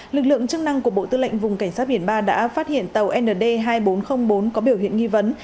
lực lượng chức năng của bộ tư lệnh vùng cảnh sát biển ba đã phát hiện tàu nd hai nghìn bốn trăm linh bốn có biểu hiện nghi vấn